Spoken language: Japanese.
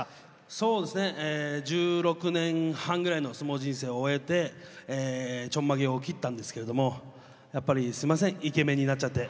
そうですね１６年半ぐらいの相撲人生を終えてえちょんまげを切ったんですけれどもやっぱりすいませんイケメンになっちゃって。